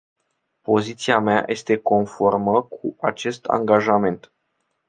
Poziția mea este conformă cu acest angajament.